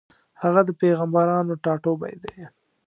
هغه د پېغمبرانو ټاټوبی دی.